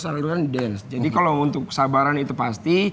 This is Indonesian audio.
sarang sarang ngedance jadi kalau untuk kesabaran itu pasti